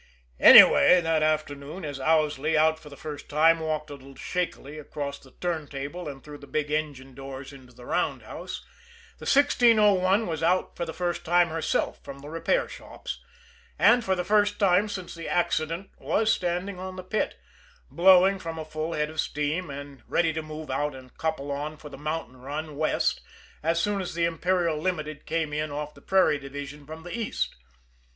Anyway, that afternoon, as Owsley, out for the first time, walked a little shakily across the turntable and through the big engine doors into the roundhouse, the 1601 was out for the first time herself from the repair shops, and for the first time since the accident was standing on the pit, blowing from a full head of steam, and ready to move out and couple on for the mountain run west, as soon as the Imperial Limited came in off the Prairie Division from the East.